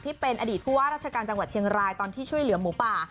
ที่เป็นอดีตผู้ว่าราชการจังหวัดเชียงรายตอนที่ช่วยเหลือหมูป่า